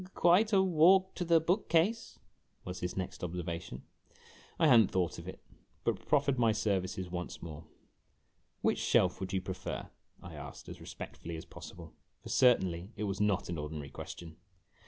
" Quite a walk to the book case !' was his next observation. I had n't thought of it, but proffered my services once more. "I LOWERED HIM GENTLY TO THE FLOOR.' "Which shelf would you prefer?" I asked, as respectfully as possible, for certainly it was not an ordinary question.